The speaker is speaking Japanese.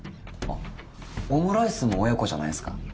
あっオムライスも親子じゃないすか？